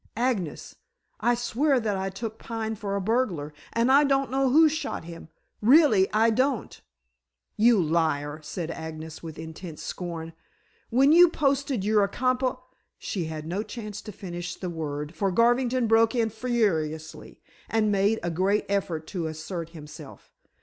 "Agnes, I swear that I took Pine for a burglar, and I don't know who shot him. Really, I don't!" "You liar!" said Agnes with intense scorn. "When you posted your accompl " She had no chance to finish the word, for Garvington broke in furiously and made a great effort to assert himself.